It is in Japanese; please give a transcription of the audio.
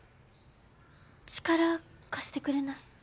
力貸してくれない？